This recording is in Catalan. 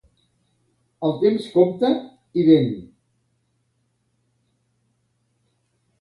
El temps compra i ven.